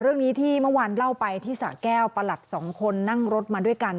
เรื่องนี้ที่เมื่อวานเล่าไปที่สะแก้วประหลัดสองคนนั่งรถมาด้วยกัน